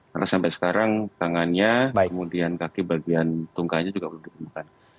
karena sampai sekarang tangannya kemudian kaki bagian tungkanya juga belum ditemukan